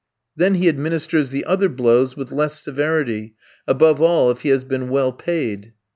Then he administers the other blows with less severity, above all if he has been well paid.